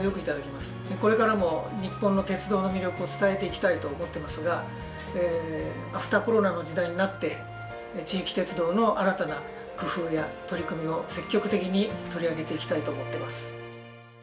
これからも日本の鉄道の魅力を伝えていきたいと思ってますがアフターコロナの時代になって地域鉄道の新たな工夫や取り組みを積極的に取り上げていきたいと思ってます。